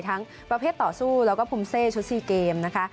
ทั้งประเภทต่อสู้แล้วก็ภูมิเซชุดซีเกมนะคะ